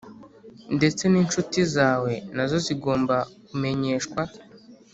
Ndetse ninshuti zawe nazo zigomba kumenyeshwa